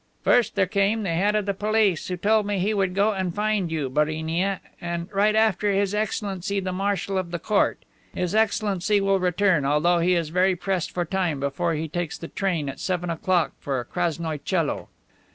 "First there came the Head of Police, who told me he would go and find you, Barinia, and right after, His Excellency the Marshal of the Court. His Excellency will return, although he is very pressed for time, before he takes the train at seven o'clock for Krasnoie Coelo."